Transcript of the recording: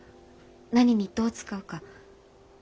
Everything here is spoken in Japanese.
何にどう使うか。